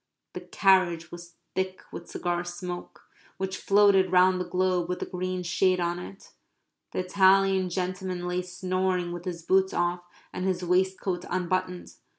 The carriage was thick with cigar smoke, which floated round the globe with the green shade on it. The Italian gentleman lay snoring with his boots off and his waistcoat unbuttoned....